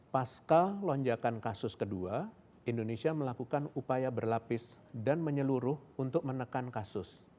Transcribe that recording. pasca lonjakan kasus kedua indonesia melakukan upaya berlapis dan menyeluruh untuk menekan kasus